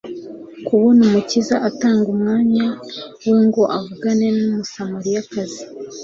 kubona Umukiza atanga umwanya we ngo avugane n’Umusamariyakazi